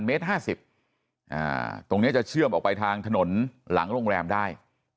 เมตร๕๐ตรงนี้จะเชื่อมออกไปทางถนนหลังโรงแรมได้